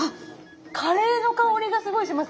カレーの香りがすごいしますね。